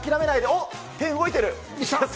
おっ、手動いてる。